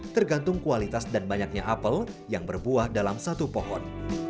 tergantung kualitas dan banyaknya apel yang berbuah dalam satu pohon